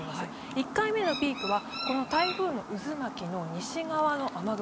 １回目のピークは台風の渦巻きの西側の雨雲。